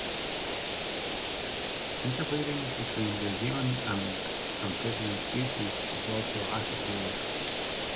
Interbreeding between the human and amphibian species is also actively encouraged.